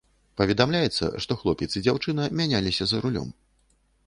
Паведамляецца, што хлопец і дзяўчына мяняліся за рулём.